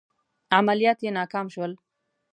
عملیات یې ناکام شول.